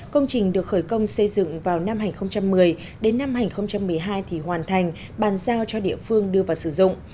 công trình được khởi công xây dựng vào năm hai nghìn một mươi đến năm hai nghìn một mươi hai thì hoàn thành bàn giao cho địa phương đưa vào sử dụng